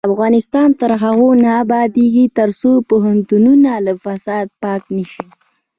افغانستان تر هغو نه ابادیږي، ترڅو پوهنتونونه له فساده پاک نشي.